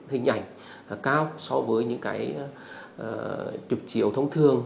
hình ảnh cao so với những cái trục chiều thông thường